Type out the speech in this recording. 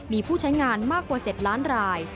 มีผู้ใช้งานมากกว่า๗ล้านราย